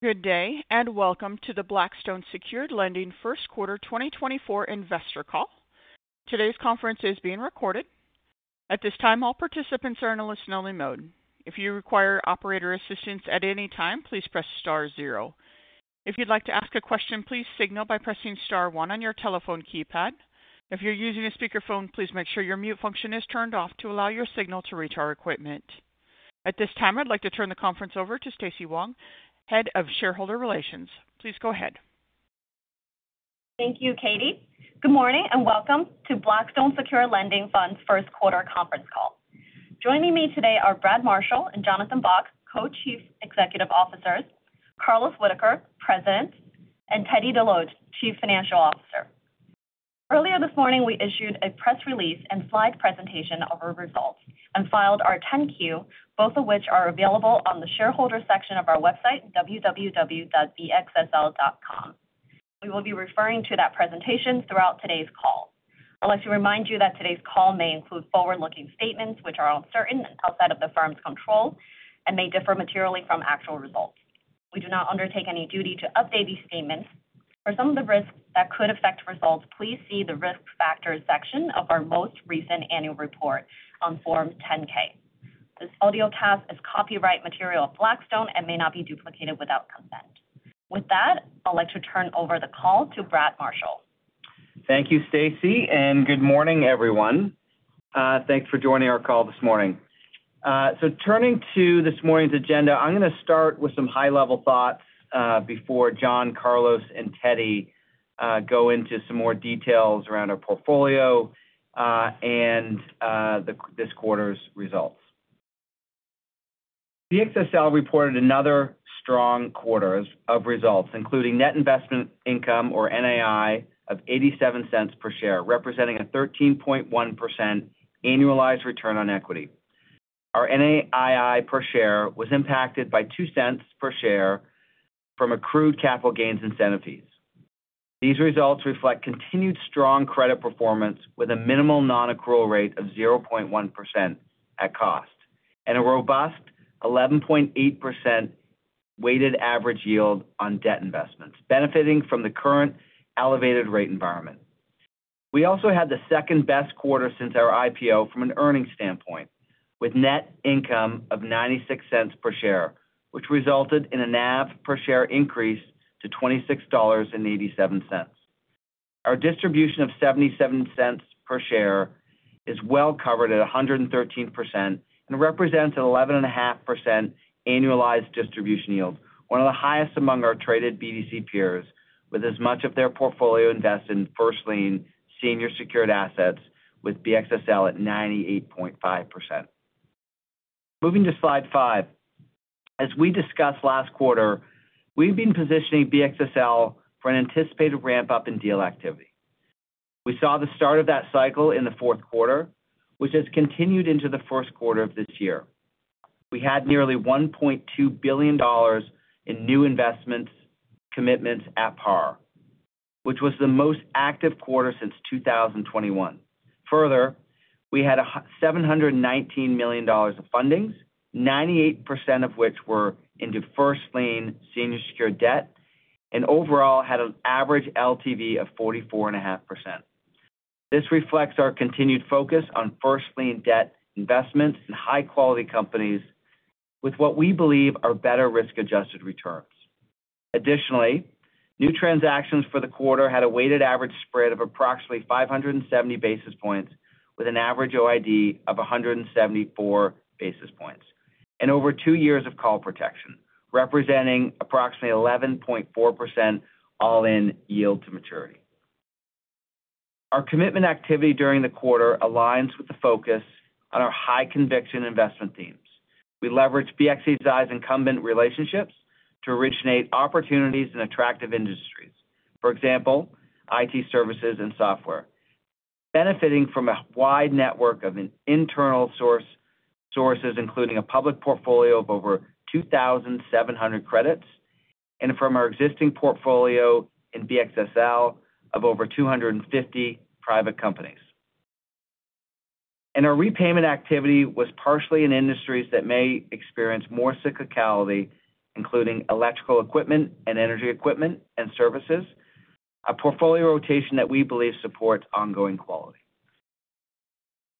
Good day and welcome to the Blackstone Secured Lending First Quarter 2024 investor call. Today's conference is being recorded. At this time, all participants are in a listen-only mode. If you require operator assistance at any time, please press star zero If you'd like to ask a question, please signal by pressing star one on your telephone keypad. If you're using a speakerphone, please make sure your mute function is turned off to allow your signal to reach our equipment. At this time, I'd like to turn the conference over to Stacy Wang, Head of Shareholder Relations. Please go ahead. Thank you, Katie. Good morning and welcome to Blackstone Secured Lending Fund's first quarter conference call. Joining me today are Brad Marshall and Jonathan Bock, Co-Chief Executive Officers; Carlos Whitaker, President; and Teddy Desloge, Chief Financial Officer. Earlier this morning, we issued a press release and slide presentation of our results and filed our 10-Q, both of which are available on the shareholder section of our website, www.bxsl.com. We will be referring to that presentation throughout today's call. I'd like to remind you that today's call may include forward-looking statements which are uncertain and outside of the firm's control and may differ materially from actual results. We do not undertake any duty to update these statements. For some of the risks that could affect results, please see the Risk Factors section of our most recent annual report on Form 10-K. This audio cast is copyright material of Blackstone and may not be duplicated without consent. With that, I'd like to turn over the call to Brad Marshall. Thank you, Stacy, and good morning, everyone. Thanks for joining our call this morning. So turning to this morning's agenda, I'm going to start with some high-level thoughts before Jon, Carlos, and Teddy go into some more details around our portfolio and this quarter's results. BXSL reported another strong quarter of results, including net investment income, or NII, of $0.87 per share, representing a 13.1% annualized return on equity. Our NII per share was impacted by $0.02 per share from accrued capital gains incentives. These results reflect continued strong credit performance with a minimal non-accrual rate of 0.1% at cost and a robust 11.8% weighted average yield on debt investments, benefiting from the current elevated rate environment. We also had the second-best quarter since our IPO from an earnings standpoint, with net income of $0.96 per share, which resulted in a NAV per share increase to $26.87. Our distribution of $0.77 per share is well covered at 113% and represents an 11.5% annualized distribution yield, one of the highest among our traded BDC peers, with as much of their portfolio invested in first lien senior secured assets with BXSL at 98.5%. Moving to Slide 5. As we discussed last quarter, we've been positioning BXSL for an anticipated ramp-up in deal activity. We saw the start of that cycle in the fourth quarter, which has continued into the first quarter of this year. We had nearly $1.2 billion in new investments commitments at par, which was the most active quarter since 2021. Further, we had $719 million of fundings, 98% of which were into first lien senior secured debt, and overall had an average LTV of 44.5%. This reflects our continued focus on first-lien senior secured loans in high-quality companies with what we believe are better risk-adjusted returns. Additionally, new transactions for the quarter had a weighted average spread of approximately 570 basis points, with an average OID of 174 basis points, and over two years of call protection, representing approximately 11.4% all-in yield to maturity. Our commitment activity during the quarter aligns with the focus on our high-conviction investment themes. We leverage BXCI's incumbent relationships to originate opportunities in attractive industries, for example, IT services and software, benefiting from a wide network of internal sources, including a public portfolio of over 2,700 credits and from our existing portfolio in BXSL of over 250 private companies. Our repayment activity was partially in industries that may experience more cyclicality, including electrical equipment and energy equipment and services, a portfolio rotation that we believe supports ongoing quality.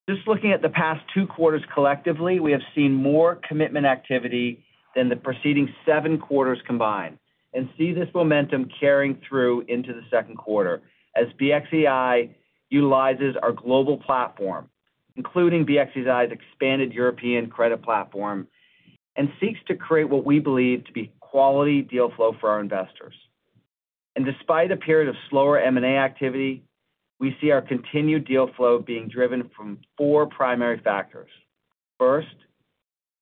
Just looking at the past two quarters collectively, we have seen more commitment activity than the preceding seven quarters combined and see this momentum carrying through into the second quarter as BXCI utilizes our global platform, including BXCI's expanded European credit platform, and seeks to create what we believe to be quality deal flow for our investors. Despite a period of slower M&A activity, we see our continued deal flow being driven from four primary factors. First,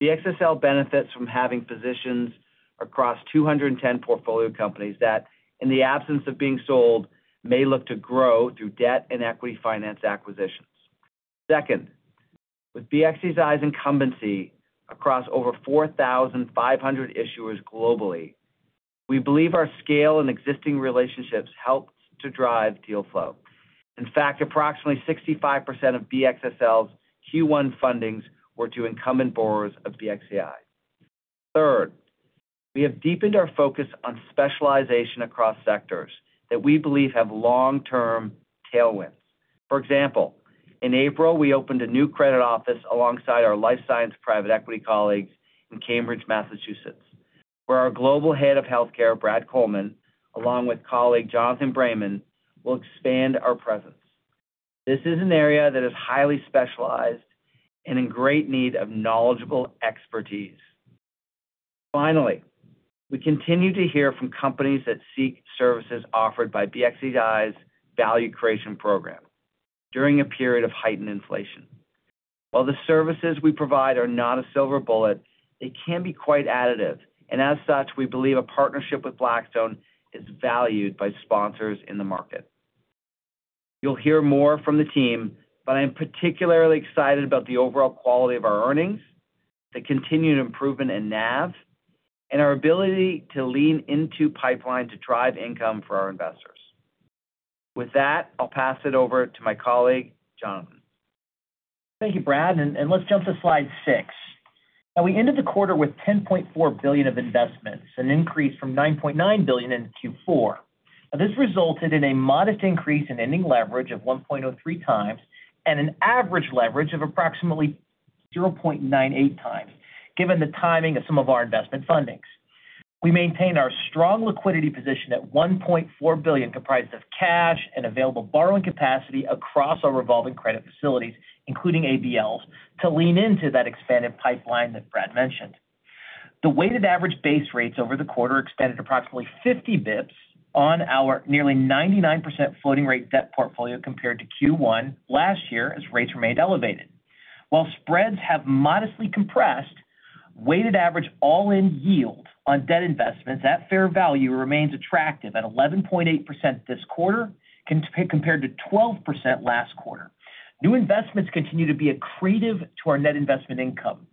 BXSL benefits from having positions across 210 portfolio companies that, in the absence of being sold, may look to grow through debt and equity finance acquisitions. Second, with BXCI's incumbency across over 4,500 issuers globally, we believe our scale and existing relationships help to drive deal flow. In fact, approximately 65% of BXSL's Q1 fundings were to incumbent borrowers of BXCI. Third, we have deepened our focus on specialization across sectors that we believe have long-term tailwinds. For example, in April, we opened a new credit office alongside our life science private equity colleagues in Cambridge, Massachusetts, where our Global Head of Healthcare, Brad Colman, along with colleague Jonathan Brayman, will expand our presence. This is an area that is highly specialized and in great need of knowledgeable expertise. Finally, we continue to hear from companies that seek services offered by BXCI's Value Creation program during a period of heightened inflation. While the services we provide are not a silver bullet, they can be quite additive, and as such, we believe a partnership with Blackstone is valued by sponsors in the market. You'll hear more from the team, but I am particularly excited about the overall quality of our earnings, the continued improvement in NAV, and our ability to lean into pipeline to drive income for our investors. With that, I'll pass it over to my colleague, Jonathan. Thank you, Brad. Let's jump to Slide 6. Now, we ended the quarter with $10.4 billion of investments, an increase from $9.9 billion in Q4. Now, this resulted in a modest increase in ending leverage of 1.03 times and an average leverage of approximately 0.98 times, given the timing of some of our investment fundings. We maintain our strong liquidity position at $1.4 billion comprised of cash and available borrowing capacity across our revolving credit facilities, including ABLs, to lean into that expanded pipeline that Brad mentioned. The weighted average base rates over the quarter expanded approximately 50 basis points on our nearly 99% floating-rate debt portfolio compared to Q1 last year as rates remained elevated. While spreads have modestly compressed, weighted average all-in yield on debt investments at fair value remains attractive at 11.8% this quarter compared to 12% last quarter. New investments continue to be accretive to our net investment income.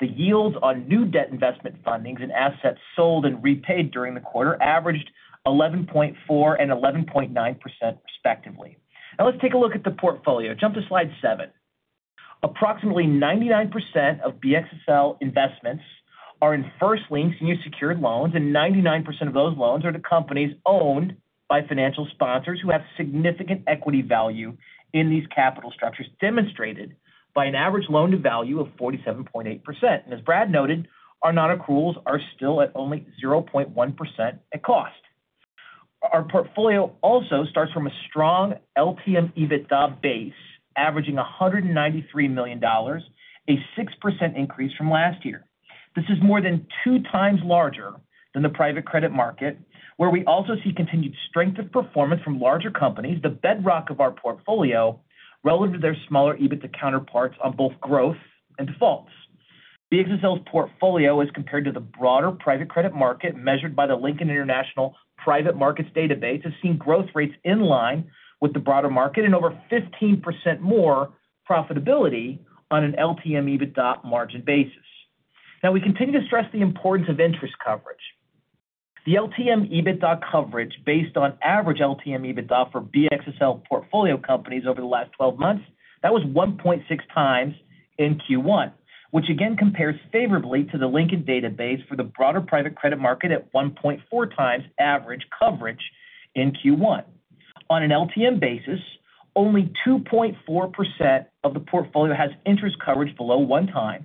The yields on new debt investment fundings and assets sold and repaid during the quarter averaged 11.4% and 11.9%, respectively. Now, let's take a look at the portfolio. Jump to Slide 7. Approximately 99% of BXSL investments are in first lien senior secured loans, and 99% of those loans are to companies owned by financial sponsors who have significant equity value in these capital structures, demonstrated by an average loan-to-value of 47.8%. And as Brad noted, our non-accruals are still at only 0.1% at cost. Our portfolio also starts from a strong LTM EBITDA base, averaging $193 million, a 6% increase from last year. This is more than two times larger than the private credit market, where we also see continued strength of performance from larger companies, the bedrock of our portfolio, relative to their smaller EBITDA counterparts on both growth and defaults. BXSL's portfolio, as compared to the broader private credit market measured by the Lincoln International Private Market Database, has seen growth rates in line with the broader market and over 15% more profitability on an LTM EBITDA margin basis. Now, we continue to stress the importance of interest coverage. The LTM EBITDA coverage based on average LTM EBITDA for BXSL portfolio companies over the last 12 months, that was 1.6 times in Q1, which again compares favorably to the Lincoln Database for the broader private credit market at 1.4 times average coverage in Q1. On an LTM basis, only 2.4% of the portfolio has interest coverage below one time,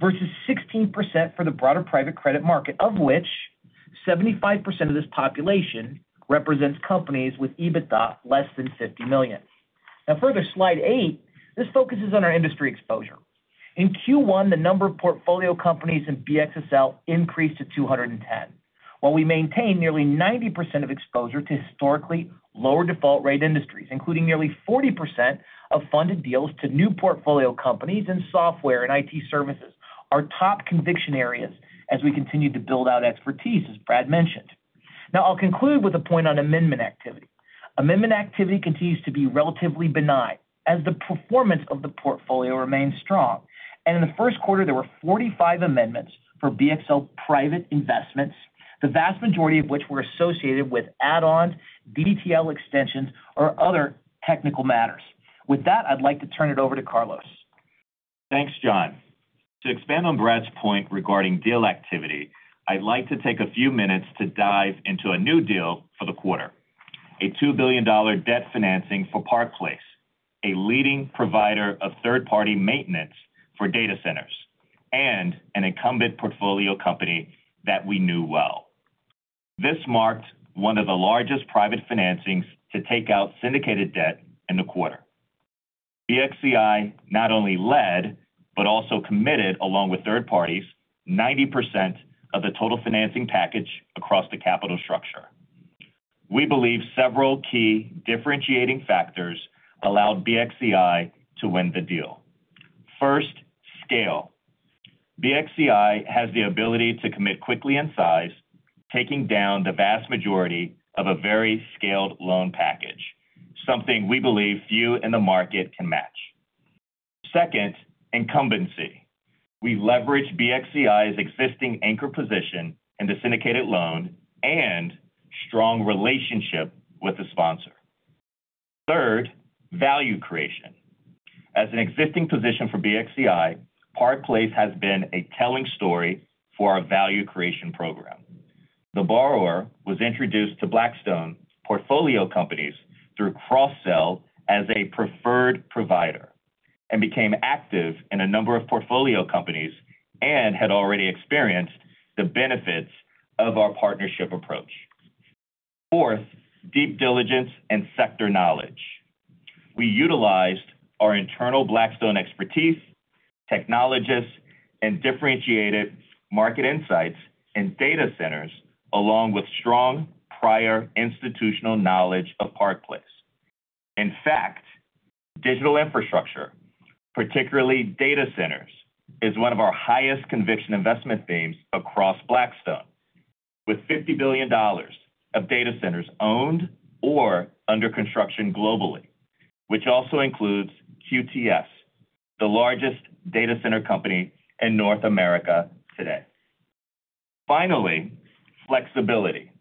versus 16% for the broader private credit market, of which 75% of this population represents companies with EBITDA less than $50 million. Now, further, Slide 8. This focuses on our industry exposure. In Q1, the number of portfolio companies in BXSL increased to 210, while we maintain nearly 90% of exposure to historically lower default-rate industries, including nearly 40% of funded deals to new portfolio companies in software and IT services, our top conviction areas as we continue to build out expertise, as Brad mentioned. Now, I'll conclude with a point on amendment activity. Amendment activity continues to be relatively benign as the performance of the portfolio remains strong. In the first quarter, there were 45 amendments for BXSL private investments, the vast majority of which were associated with add-ons, DDTL extensions, or other technical matters. With that, I'd like to turn it over to Carlos. Thanks, Jon. To expand on Brad's point regarding deal activity, I'd like to take a few minutes to dive into a new deal for the quarter: a $2 billion debt financing for Park Place, a leading provider of third-party maintenance for data centers, and an incumbent portfolio company that we knew well. This marked one of the largest private financings to take out syndicated debt in the quarter. BXCI not only led but also committed, along with third parties, 90% of the total financing package across the capital structure. We believe several key differentiating factors allowed BXCI to win the deal. First, scale. BXCI has the ability to commit quickly in size, taking down the vast majority of a very scaled loan package, something we believe few in the market can match. Second, incumbency. We leverage BXCI's existing anchor position in the syndicated loan and strong relationship with the sponsor. Third, value creation. As an existing position for BXCI, Park Place has been a telling story for our value creation program. The borrower was introduced to Blackstone portfolio companies through cross-sell as a preferred provider and became active in a number of portfolio companies and had already experienced the benefits of our partnership approach. Fourth, deep diligence and sector knowledge. We utilized our internal Blackstone expertise, technologists, and differentiated market insights in data centers, along with strong prior institutional knowledge of Park Place. In fact, digital infrastructure, particularly data centers, is one of our highest conviction investment themes across Blackstone, with $50 billion of data centers owned or under construction globally, which also includes QTS, the largest data center company in North America today. Finally, flexibility.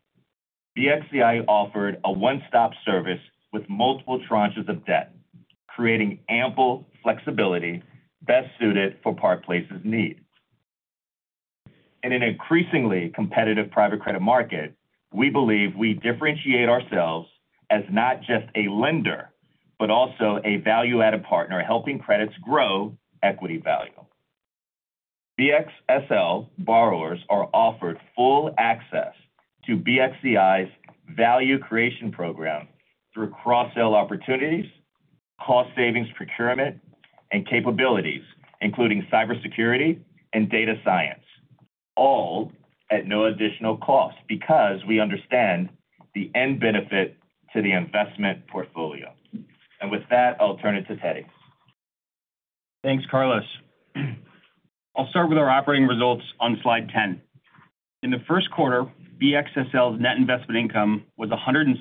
BXCI offered a one-stop service with multiple tranches of debt, creating ample flexibility best suited for Park Place's need. In an increasingly competitive private credit market, we believe we differentiate ourselves as not just a lender but also a value-added partner, helping credits grow equity value. BXSL borrowers are offered full access to BXCI's value creation program through cross-sell opportunities, cost-savings procurement, and capabilities, including cybersecurity and data science, all at no additional cost because we understand the end benefit to the investment portfolio. With that, I'll turn it to Teddy. Thanks, Carlos. I'll start with our operating results on Slide 10. In the first quarter, BXSL's net investment income was $166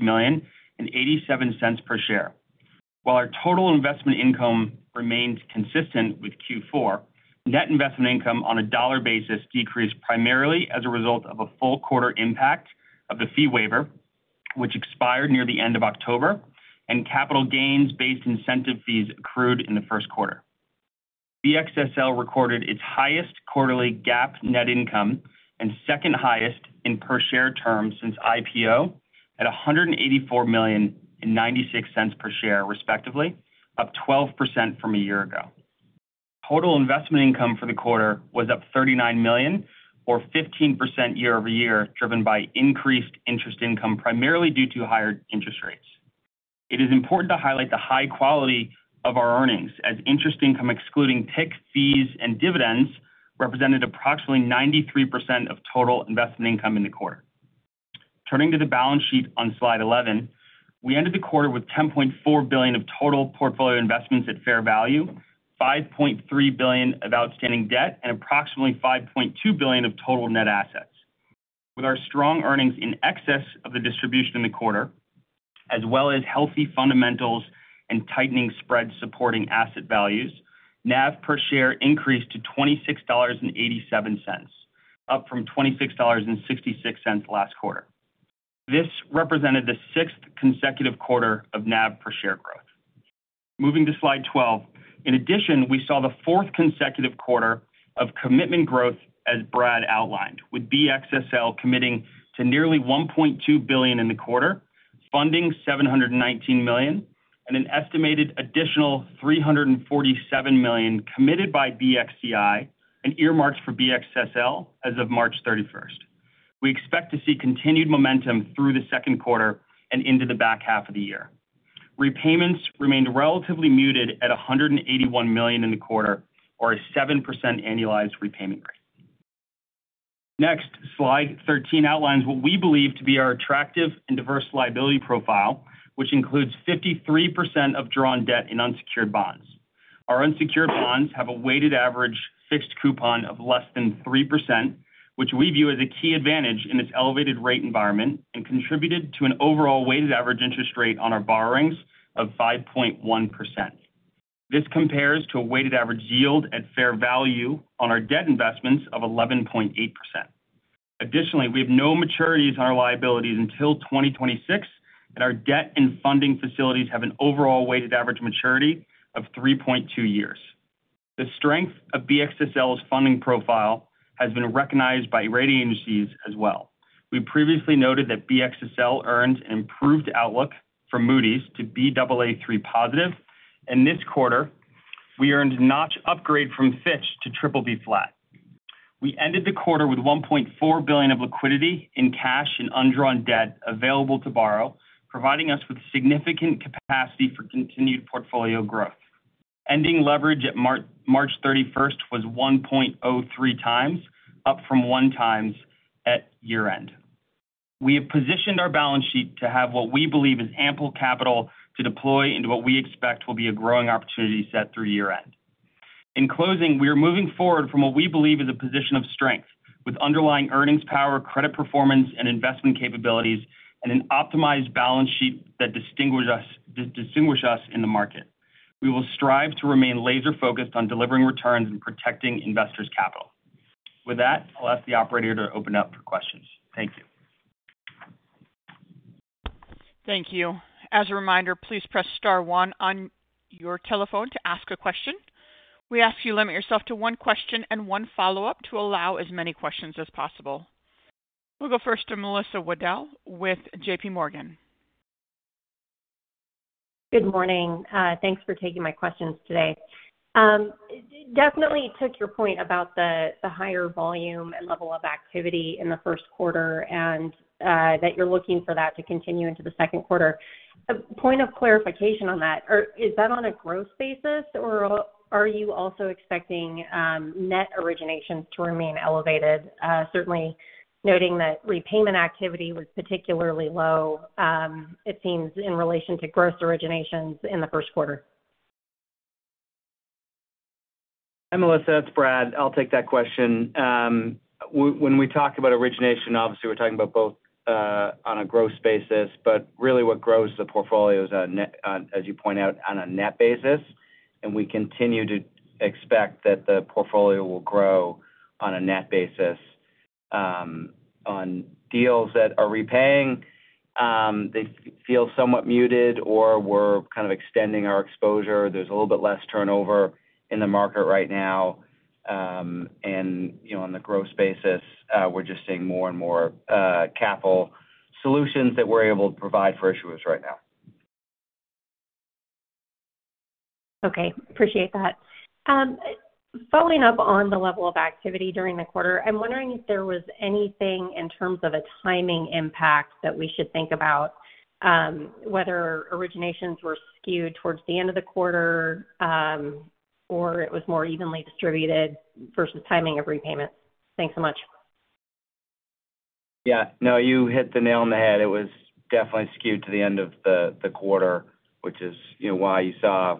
million and $0.87 per share. While our total investment income remained consistent with Q4, net investment income on a dollar basis decreased primarily as a result of a full-quarter impact of the fee waiver, which expired near the end of October, and capital gains-based incentive fees accrued in the first quarter. BXSL recorded its highest quarterly GAAP net income and second highest in per-share terms since IPO at $184 million at $0.96 per share, respectively, up 12% from a year ago. Total investment income for the quarter was up $39 million, or 15% year-over-year, driven by increased interest income primarily due to higher interest rates. It is important to highlight the high quality of our earnings, as interest income excluding PIK fees and dividends represented approximately 93% of total investment income in the quarter. Turning to the balance sheet on slide 11, we ended the quarter with $10.4 billion of total portfolio investments at fair value, $5.3 billion of outstanding debt, and approximately $5.2 billion of total net assets. With our strong earnings in excess of the distribution in the quarter, as well as healthy fundamentals and tightening spreads supporting asset values, NAV per share increased to $26.87, up from $26.66 last quarter. This represented the sixth consecutive quarter of NAV per share growth. Moving to Slide 12. In addition, we saw the fourth consecutive quarter of commitment growth, as Brad outlined, with BXSL committing to nearly $1.2 billion in the quarter, funding $719 million, and an estimated additional $347 million committed by BXCI, an earmark for BXSL as of March 31st. We expect to see continued momentum through the second quarter and into the back half of the year. Repayments remained relatively muted at $181 million in the quarter, or a 7% annualized repayment rate. Next, Slide 13 outlines what we believe to be our attractive and diverse liability profile, which includes 53% of drawn debt in unsecured bonds. Our unsecured bonds have a weighted average fixed coupon of less than 3%, which we view as a key advantage in this elevated rate environment and contributed to an overall weighted average interest rate on our borrowings of 5.1%. This compares to a weighted average yield at fair value on our debt investments of 11.8%. Additionally, we have no maturities on our liabilities until 2026, and our debt and funding facilities have an overall weighted average maturity of 3.2 years. The strength of BXSL's funding profile has been recognized by rating agencies as well. We previously noted that BXSL earned an improved outlook from Moody's to Baa3 positive. This quarter, we earned a notch upgrade from Fitch to BBB flat. We ended the quarter with $1.4 billion of liquidity in cash and undrawn debt available to borrow, providing us with significant capacity for continued portfolio growth. Ending leverage at March 31st was 1.03 times, up from one times at year-end. We have positioned our balance sheet to have what we believe is ample capital to deploy into what we expect will be a growing opportunity set through year-end. In closing, we are moving forward from what we believe is a position of strength, with underlying earnings power, credit performance, and investment capabilities, and an optimized balance sheet that distinguish us in the market. We will strive to remain laser-focused on delivering returns and protecting investors' capital. With that, I'll ask the operator to open up for questions. Thank you. Thank you. As a reminder, please press star 1 on your telephone to ask a question. We ask you to limit yourself to one question and one follow-up to allow as many questions as possible. We'll go first to Melissa Wedel with JPMorgan. Good morning. Thanks for taking my questions today. Definitely took your point about the higher volume and level of activity in the first quarter and that you're looking for that to continue into the second quarter. A point of clarification on that: is that on a growth basis, or are you also expecting net originations to remain elevated, certainly noting that repayment activity was particularly low, it seems, in relation to growth originations in the first quarter? Hi, Melissa. It's Brad. I'll take that question. When we talk about origination, obviously, we're talking about both on a growth basis. But really, what grows the portfolio is, as you point out, on a net basis. And we continue to expect that the portfolio will grow on a net basis. On deals that are repaying, they feel somewhat muted or we're kind of extending our exposure. There's a little bit less turnover in the market right now. And on the growth basis, we're just seeing more and more capital solutions that we're able to provide for issuers right now. Okay. Appreciate that. Following up on the level of activity during the quarter, I'm wondering if there was anything in terms of a timing impact that we should think about, whether originations were skewed towards the end of the quarter or it was more evenly distributed versus timing of repayments. Thanks so much. Yeah. No, you hit the nail on the head. It was definitely skewed to the end of the quarter, which is why you saw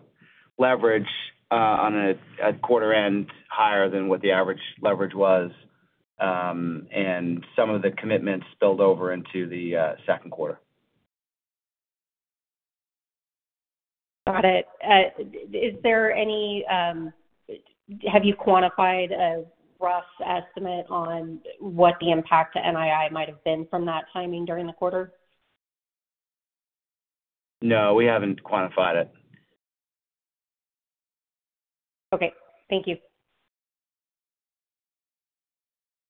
leverage on a quarter-end higher than what the average leverage was, and some of the commitments spilled over into the second quarter. Got it. Is there any? Have you quantified a rough estimate on what the impact to NII might have been from that timing during the quarter? No, we haven't quantified it. Okay. Thank you.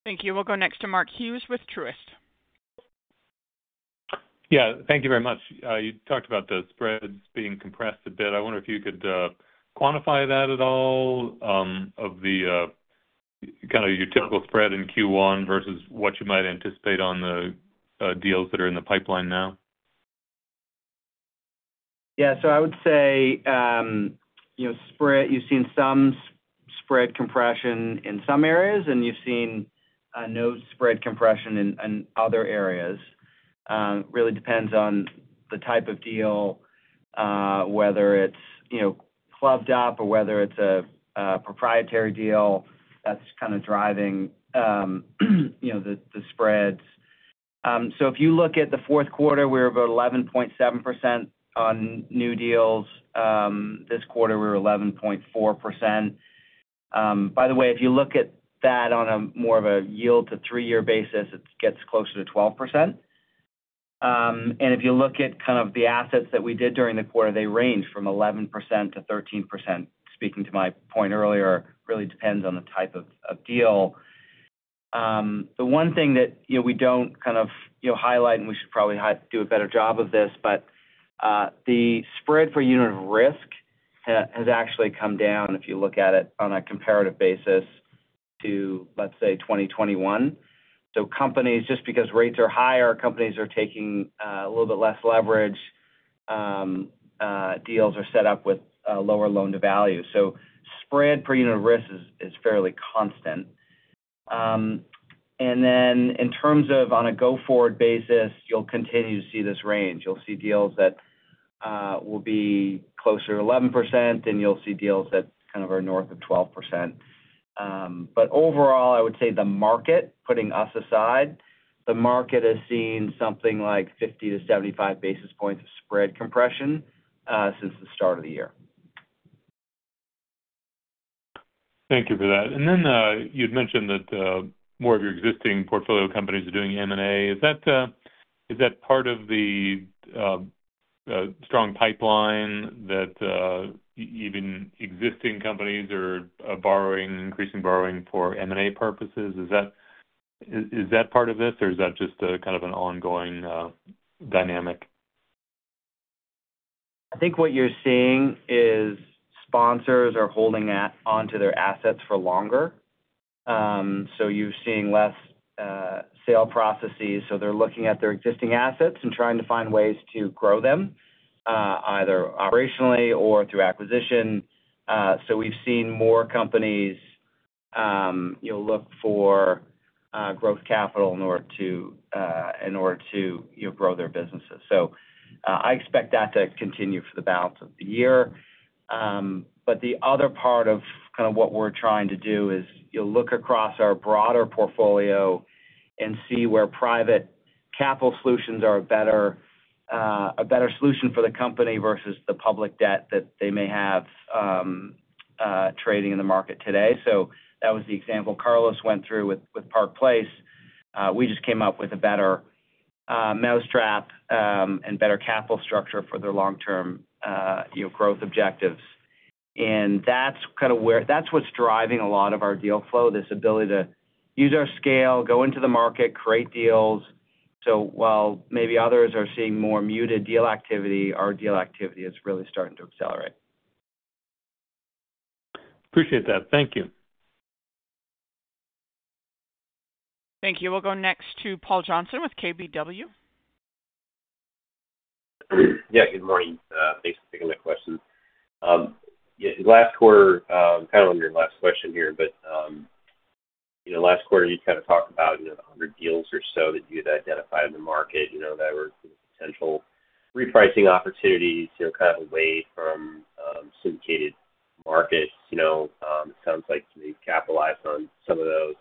Thank you. We'll go next to Mark Hughes with Truist. Yeah. Thank you very much. You talked about the spreads being compressed a bit. I wonder if you could quantify that at all, kind of your typical spread in Q1 versus what you might anticipate on the deals that are in the pipeline now? Yeah. So I would say you've seen some spread compression in some areas, and you've seen no spread compression in other areas. Really depends on the type of deal, whether it's clubbed up or whether it's a proprietary deal that's kind of driving the spreads. So if you look at the fourth quarter, we were about 11.7% on new deals. This quarter, we were 11.4%. By the way, if you look at that on more of a yield-to-three-year basis, it gets closer to 12%. And if you look at kind of the assets that we did during the quarter, they range from 11%-13%. Speaking to my point earlier, it really depends on the type of deal. The one thing that we don't kind of highlight, and we should probably do a better job of this, but the spread for unit of risk has actually come down, if you look at it on a comparative basis, to, let's say, 2021. So just because rates are higher, companies are taking a little bit less leverage. Deals are set up with lower loan-to-value. So spread per unit of risk is fairly constant. And then in terms of on a go-forward basis, you'll continue to see this range. You'll see deals that will be closer to 11%, and you'll see deals that kind of are north of 12%. But overall, I would say the market, putting us aside, the market has seen something like 50-75 basis points of spread compression since the start of the year. Thank you for that. And then you'd mentioned that more of your existing portfolio companies are doing M&A. Is that part of the strong pipeline that even existing companies are increasing borrowing for M&A purposes? Is that part of this, or is that just kind of an ongoing dynamic? I think what you're seeing is sponsors are holding onto their assets for longer. So you're seeing less sale processes. So they're looking at their existing assets and trying to find ways to grow them, either operationally or through acquisition. So we've seen more companies look for growth capital in order to grow their businesses. So I expect that to continue for the balance of the year. But the other part of kind of what we're trying to do is look across our broader portfolio and see where private capital solutions are a better solution for the company versus the public debt that they may have trading in the market today. So that was the example Carlos went through with Park Place. We just came up with a better mousetrap and better capital structure for their long-term growth objectives. And that's kind of where that's what's driving a lot of our deal flow, this ability to use our scale, go into the market, create deals. So while maybe others are seeing more muted deal activity, our deal activity is really starting to accelerate. Appreciate that. Thank you. Thank you. We'll go next to Paul Johnson with KBW. Yeah. Good morning. Thanks for taking my question. Kind of on your last question here, but last quarter, you kind of talked about 100 deals or so that you had identified in the market that were potential repricing opportunities, kind of away from syndicated markets. It sounds like you've capitalized on some of those.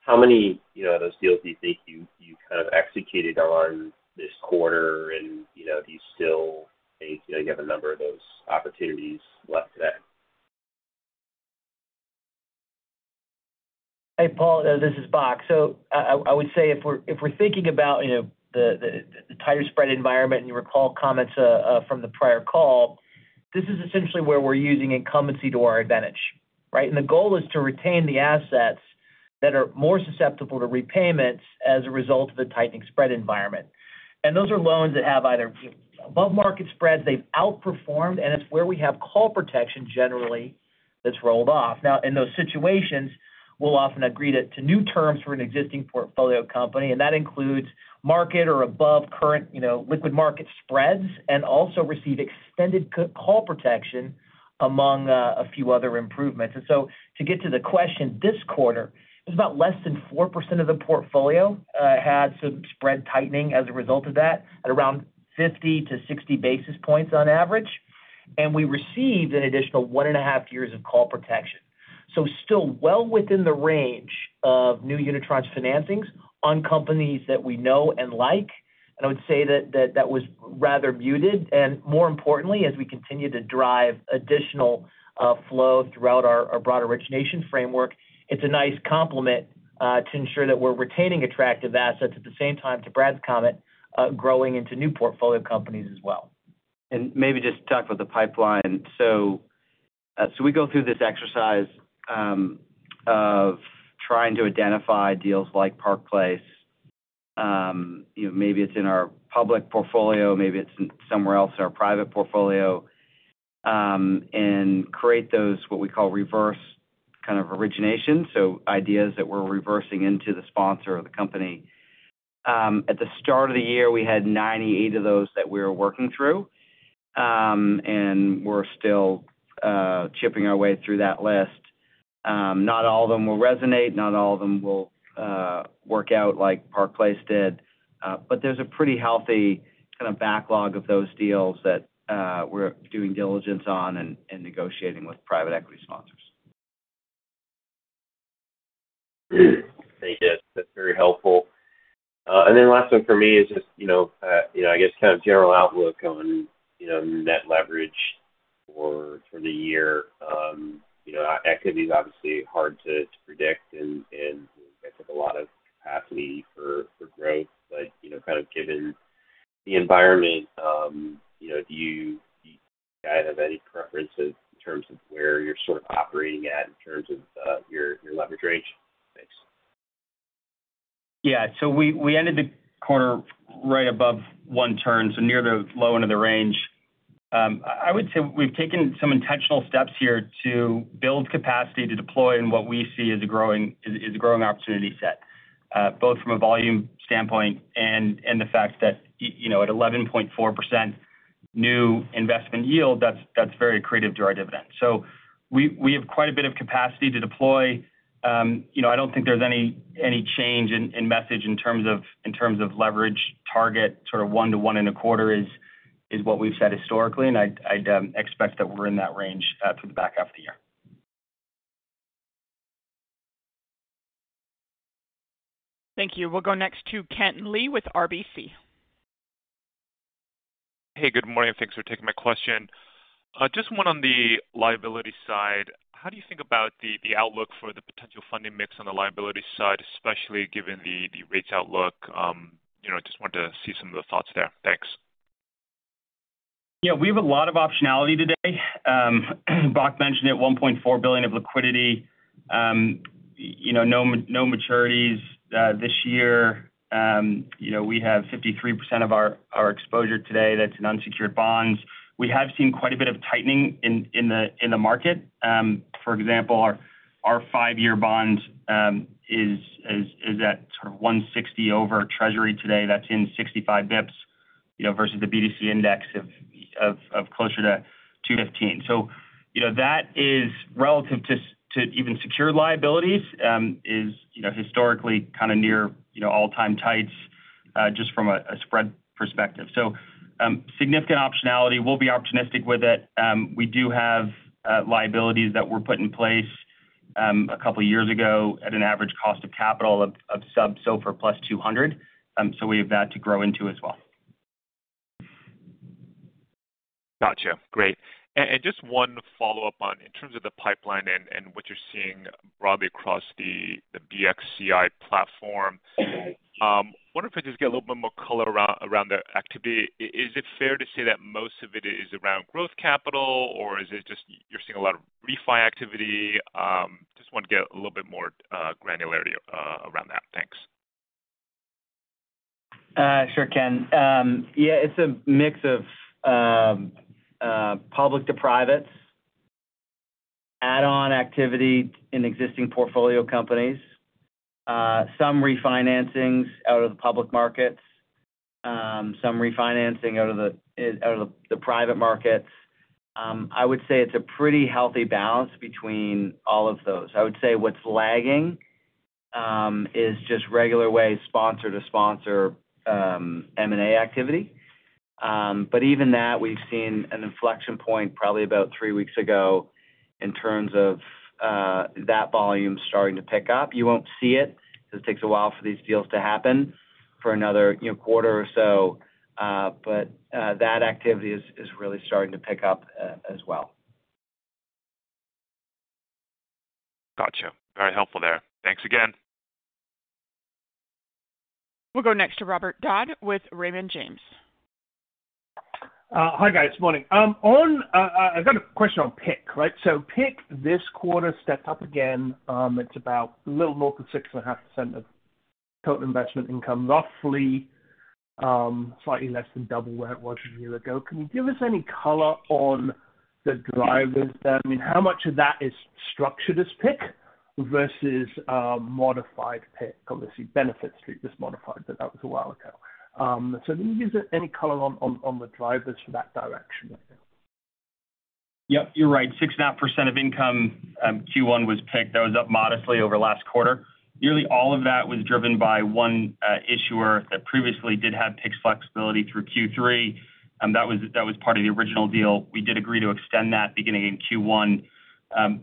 How many of those deals do you think you kind of executed on this quarter, and do you still think you have a number of those opportunities left today? Hey, Paul. This is Bock. So I would say if we're thinking about the tighter spread environment and you recall comments from the prior call, this is essentially where we're using incumbency to our advantage, right? And the goal is to retain the assets that are more susceptible to repayments as a result of the tightening spread environment. And those are loans that have either above-market spreads, they've outperformed, and it's where we have call protection generally that's rolled off. Now, in those situations, we'll often agree to new terms for an existing portfolio company, and that includes market or above-current liquid market spreads and also receive extended call protection among a few other improvements. So to get to the question, this quarter, it was about less than 4% of the portfolio had some spread tightening as a result of that, at around 50-60 basis points on average. We received an additional one and a half years of call protection. So still well within the range of new unitranche financings on companies that we know and like. I would say that that was rather muted. More importantly, as we continue to drive additional flow throughout our broader origination framework, it's a nice complement to ensure that we're retaining attractive assets at the same time, to Brad's comment, growing into new portfolio companies as well. Maybe just talk about the pipeline. We go through this exercise of trying to identify deals like Park Place. Maybe it's in our public portfolio. Maybe it's somewhere else in our private portfolio and create those what we call reverse kind of originations, so ideas that we're reversing into the sponsor or the company. At the start of the year, we had 98 of those that we were working through, and we're still chipping our way through that list. Not all of them will resonate. Not all of them will work out like Park Place did. There's a pretty healthy kind of backlog of those deals that we're doing diligence on and negotiating with private equity sponsors. Thank you. That's very helpful. Then last one for me is just, I guess, kind of general outlook on net leverage for the year. Activity is obviously hard to predict, and that took a lot of capacity for growth. But kind of given the environment, do you guys have any preference in terms of where you're sort of operating at in terms of your leverage range? Thanks. Yeah. So we ended the quarter right above one turn, so near the low end of the range. I would say we've taken some intentional steps here to build capacity to deploy in what we see is a growing opportunity set, both from a volume standpoint and the fact that at 11.4% new investment yield, that's very creative to our dividend. So we have quite a bit of capacity to deploy. I don't think there's any change in message in terms of leverage. Target sort of 1-1.25 is what we've said historically, and I'd expect that we're in that range through the back half of the year. Thank you. We'll go next to Kenneth Lee with RBC. Hey. Good morning. Thanks for taking my question. Just one on the liability side. How do you think about the outlook for the potential funding mix on the liability side, especially given the rates outlook? Just wanted to see some of the thoughts there. Thanks. Yeah. We have a lot of optionality today. Bock mentioned it, $1.4 billion of liquidity, no maturities this year. We have 53% of our exposure today that's in unsecured bonds. We have seen quite a bit of tightening in the market. For example, our five-year bond is at sort of 160 over Treasury today. That's in 65 basis points versus the BDC index of closer to 215. So that is relative to even secured liabilities, is historically kind of near all-time tights just from a spread perspective. So significant optionality. We'll be opportunistic with it. We do have liabilities that were put in place a couple of years ago at an average cost of capital of SOFR +200. So we have that to grow into as well. Gotcha. Great. And just one follow-up on in terms of the pipeline and what you're seeing broadly across the BXCI platform, wonder if I could just get a little bit more color around the activity. Is it fair to say that most of it is around growth capital, or is it just you're seeing a lot of refi activity? Just want to get a little bit more granularity around that. Thanks. Sure, Ken. Yeah. It's a mix of public to privates, add-on activity in existing portfolio companies, some refinancings out of the public markets, some refinancing out of the private markets. I would say it's a pretty healthy balance between all of those. I would say what's lagging is just regular way sponsor-to-sponsor M&A activity. But even that, we've seen an inflection point probably about three weeks ago in terms of that volume starting to pick up. You won't see it because it takes a while for these deals to happen for another quarter or so. But that activity is really starting to pick up as well. Gotcha. Very helpful there. Thanks again. We'll go next to Robert Dodd with Raymond James. Hi, guys. Good morning. I've got a question on PIK, right? So PIK this quarter stepped up again. It's about a little north of 6.5% of total investment income, roughly slightly less than double where it was a year ago. Can you give us any color on the drivers there? I mean, how much of that is structured as PIK versus modified PIK? Obviously, Benefit Street was modified, but that was a while ago. So can you give us any color on the drivers for that direction with you? Yep. You're right. 6.5% of income Q1 was PIK. That was up modestly over last quarter. Nearly all of that was driven by one issuer that previously did have PIK flexibility through Q3. That was part of the original deal. We did agree to extend that beginning in Q1.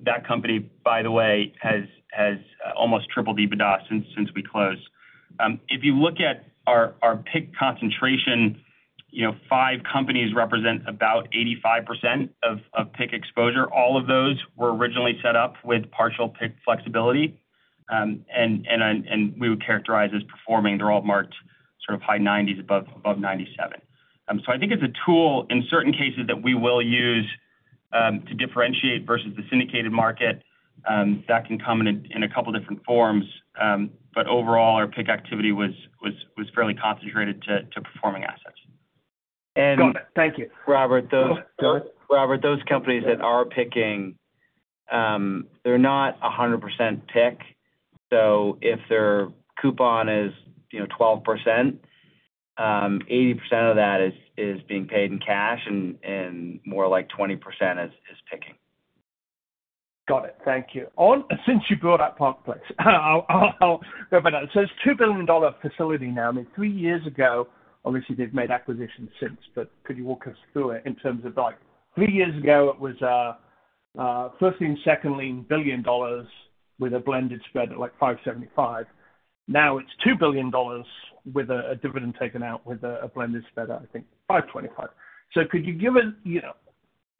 That company, by the way, has almost tripled EBITDA since we closed. If you look at our PIK concentration, five companies represent about 85% of PIK exposure. All of those were originally set up with partial PIK flexibility, and we would characterize as performing. They're all marked sort of high 90s above 97. So I think it's a tool in certain cases that we will use to differentiate versus the syndicated market. That can come in a couple of different forms. But overall, our PIK activity was fairly concentrated to performing assets. And thank you, Robert. Robert, those companies that are PIKing, they're not 100% PIK. So if their coupon is 12%, 80% of that is being paid in cash, and more like 20% is PIKing. Got it. Thank you. Since you brought up Park Place, I'll go about that. So it's a $2 billion facility now. I mean, three years ago, obviously, they've made acquisitions since, but could you walk us through it in terms of three years ago, it was a first-lien, second-lien $1 billion with a blended spread at like 575. Now it's $2 billion with a delayed draw taken out with a blended spread at, I think, 525. So could you give us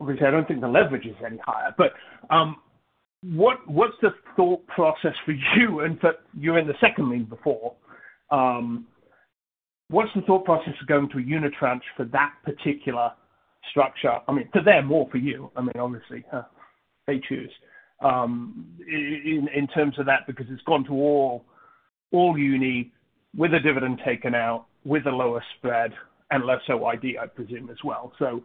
obviously, I don't think the leverage is any higher, but what's the thought process for you? And you were in the second lien before. What's the thought process of going to unitranche for that particular structure? I mean, for them, more for you. I mean, obviously, they choose in terms of that because it's gone to all uni with a dividend taken out, with a lower spread and less OID, I presume, as well. So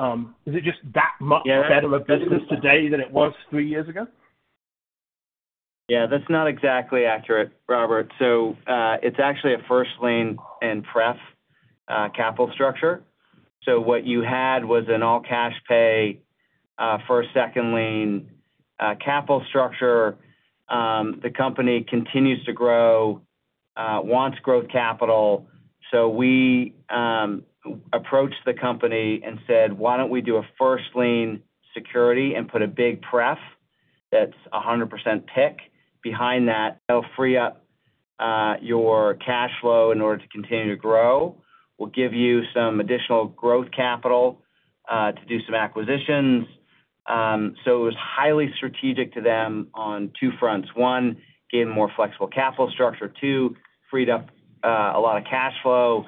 is it just that much better a business today than it was three years ago? Yeah. That's not exactly accurate, Robert. So it's actually a first-lien and pref capital structure. So what you had was an all-cash-pay first-, second-lien capital structure. The company continues to grow, wants growth capital. So we approached the company and said, "Why don't we do a first-lien security and put a big pref that's 100% PIK behind that? That'll free up your cash flow in order to continue to grow. We'll give you some additional growth capital to do some acquisitions." So it was highly strategic to them on two fronts. One, gave them more flexible capital structure. Two, freed up a lot of cash flow.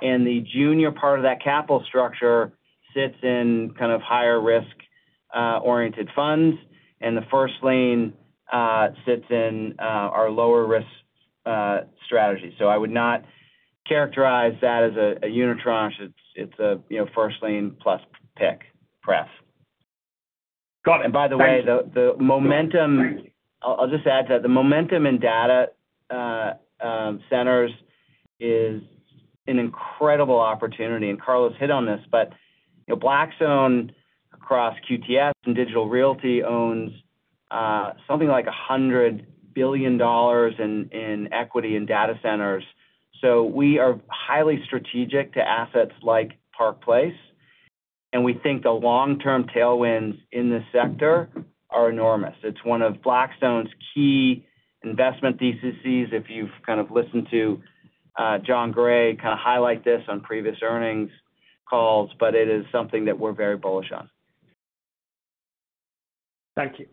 And the junior part of that capital structure sits in kind of higher-risk-oriented funds, and the first lien sits in our lower-risk strategy. So I would not characterize that as a unitranche. It's a first-lien plus PIK pref. And by the way, the momentum. I'll just add to that. The momentum in data centers is an incredible opportunity. Carlos hit on this, but Blackstone across QTS and Digital Realty owns something like $100 billion in equity in data centers. We are highly strategic to assets like Park Place, and we think the long-term tailwinds in this sector are enormous. It's one of Blackstone's key investment theses if you've kind of listened to John Gray kind of highlight this on previous earnings calls, but it is something that we're very bullish on. Thank you.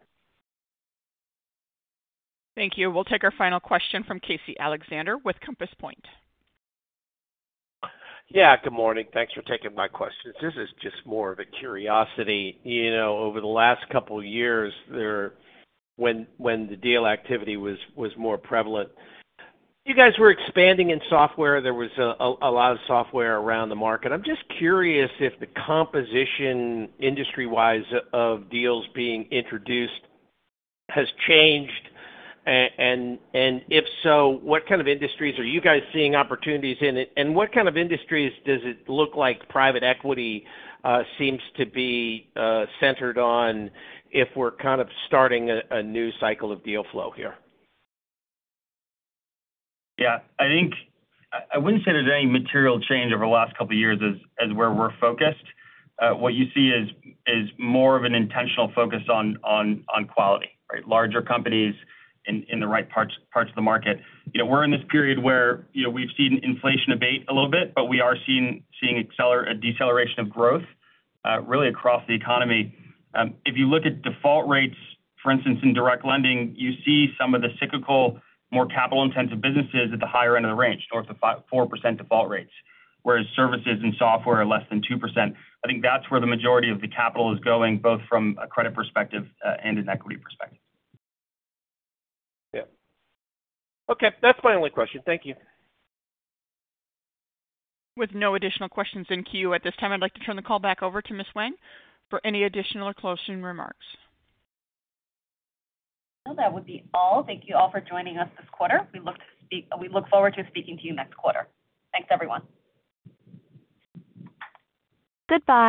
Thank you. We'll take our final question from Casey Alexander with Compass Point. Yeah. Good morning. Thanks for taking my questions. This is just more of a curiosity. Over the last couple of years, when the deal activity was more prevalent, you guys were expanding in software. There was a lot of software around the market. I'm just curious if the composition industry-wise of deals being introduced has changed. And if so, what kind of industries are you guys seeing opportunities in it? And what kind of industries does it look like private equity seems to be centered on if we're kind of starting a new cycle of deal flow here? Yeah. I wouldn't say there's any material change over the last couple of years as where we're focused. What you see is more of an intentional focus on quality, right? Larger companies in the right parts of the market. We're in this period where we've seen inflation abate a little bit, but we are seeing a deceleration of growth really across the economy. If you look at default rates, for instance, in direct lending, you see some of the cyclical, more capital-intensive businesses at the higher end of the range, north of 4% default rates, whereas services and software are less than 2%. I think that's where the majority of the capital is going, both from a credit perspective and an equity perspective. Yeah. Okay. That's my only question. Thank you. With no additional questions in queue at this time, I'd like to turn the call back over to Ms. Wang for any additional or closing remarks. No, that would be all. Thank you all for joining us this quarter. We look forward to speaking to you next quarter. Thanks, everyone. Goodbye.